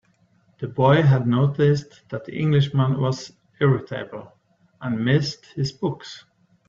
The boy had noticed that the Englishman was irritable, and missed his books.